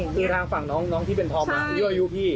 อย่างอย่างนี้ตัวทางฝั่งน้องที่เป็นทอบหลังย่วยุ้กพี่